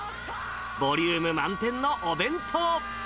ボリューム満点のお弁当。